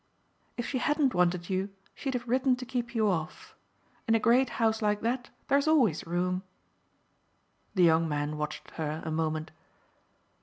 "If she hadn't wanted you she'd have written to keep you off. In a great house like that there's always room." The young man watched her a moment.